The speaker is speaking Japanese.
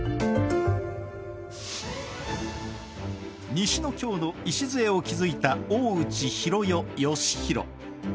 西の京の礎を築いた大内弘世・義弘。